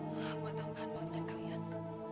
buat tambahan uangnya kalian